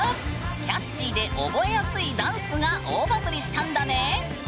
キャッチーで覚えやすいダンスが大バズりしたんだね！